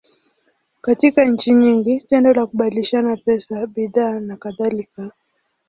Katika nchi nyingi, tendo la kubadilishana pesa, bidhaa, nakadhalika.